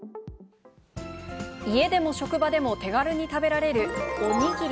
家でも職場でも手軽に食べられるおにぎり。